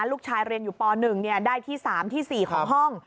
ลูกชายเรียนอยู่ป๑ได้ที่๓ที่๔ของห้อง